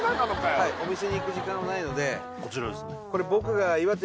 はいお店に行く時間はないのでこちらですね